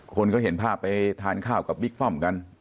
คนก็เห็นภาพไปทานข้าวกับบิ๊กป้อมกัน